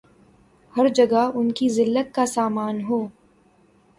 ہر جگہ ان کی زلت کا سامان ہو